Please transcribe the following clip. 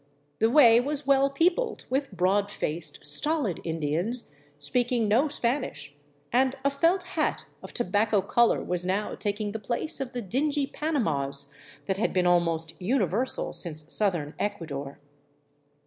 The way was well peopled with broad faced, stolid Indians speaking no Spanish, and a felt hat of tobacco color was now taking the place of the dingy " panamas " that had been almost universal since southern Ecuador.